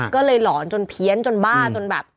ก็เลยหลอนจนเพี้ยนจนบ้าจนแบบ